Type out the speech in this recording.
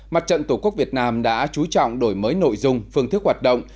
mặt trận tổ quốc việt nam đã chú trọng đổi mới nội dung phương thức hoạt động